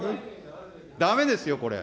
だめですよ、これ。